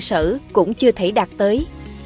cơ sở cũng chưa thể đạt tới